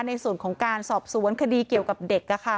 ในส่วนของการสอบสวนคดีเกี่ยวกับเด็ก